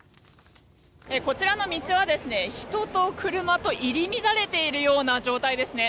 こちらの道は人と車と入り乱れているような状態ですね。